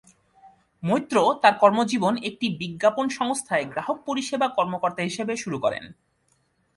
মৈত্র তার কর্মজীবন একটি বিজ্ঞাপন সংস্থায় গ্রাহক পরিষেবা কর্মকর্তা হিসাবে শুরু করেন।